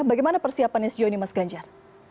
bagaimana persiapan sgo ini mas ganjar